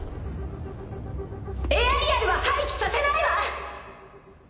エアリアルは廃棄させないわ！